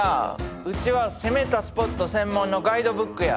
うちは攻めたスポット専門のガイドブックや。